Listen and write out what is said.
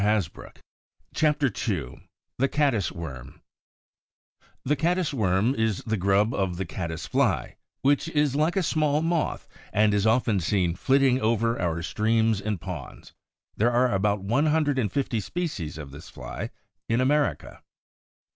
CHAPTER II THE CADDIS WORM [The caddis worm is the grub of the caddis fly, which is like a small moth and is often seen flitting over our streams and ponds. There are about one hundred and fifty species of this fly in America.